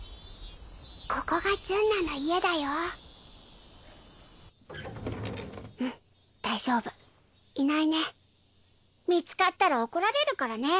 ここが純粋愛の家だようん大丈夫いないね見つかったら怒られるからね